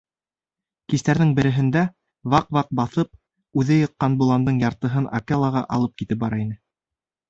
Кистәрҙең береһендә, ваҡ-ваҡ баҫып, үҙе йыҡҡан боландың яртыһын Акелаға алып китеп бара ине.